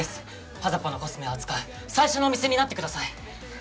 「ｐａｚａｐａ」のコスメを扱う最初のお店になってください。